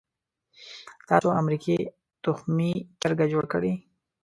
تاسو امریکې تخمي چرګه جوړه کړې.